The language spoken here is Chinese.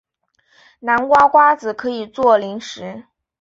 南瓜瓜子可以做零食。